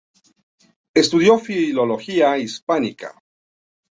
Estudió Filología Hispánica.